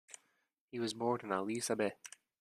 He was born in Ali Sabieh.